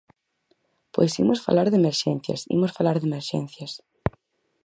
Pois imos falar de emerxencias, imos falar de emerxencias.